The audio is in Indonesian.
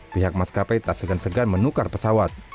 pihak maskapai tak segan segan menukar pesawat